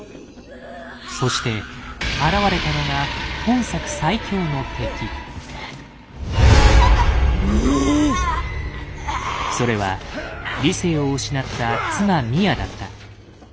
そして現れたのが本作それは理性を失った妻・ミアだった。